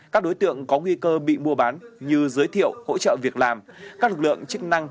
các đối tượng có nguy cơ bị mua bán như giới thiệu hỗ trợ việc làm các lực lượng chức năng